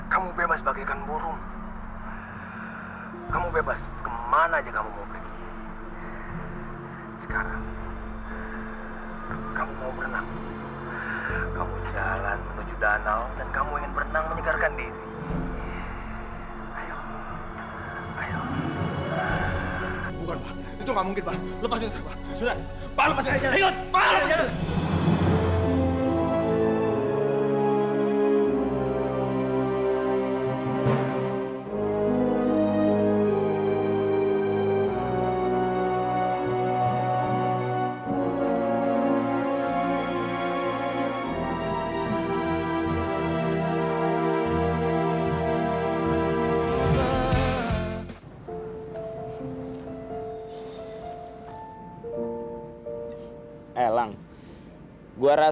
kamu jalan menuju danau dan kamu ingin berenang menyegarkan diri